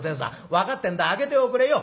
分かってんだ開けておくれよ」。